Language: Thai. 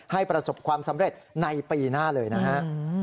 ประสบความสำเร็จในปีหน้าเลยนะฮะ